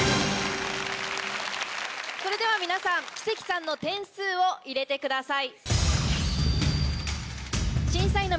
それでは皆さん奇跡さんの点数を入れてください。